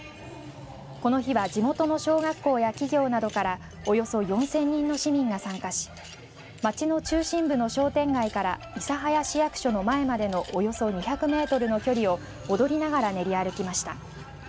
この日は地元の小学校や企業などからおよそ４０００人の市民が参加し街の中心部の商店街から諫早市役所の前までのおよそ２００メートルの距離を踊りながら練り歩きました。